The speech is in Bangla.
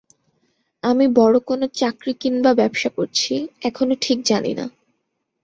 আমি বড় কোনো চাকরি কিংবা ব্যবসা করছি, এখনো ঠিক জানি না।